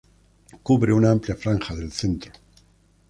Cubre una amplia franja del centro.